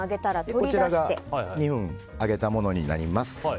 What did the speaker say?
こちらが２分揚げたものになります。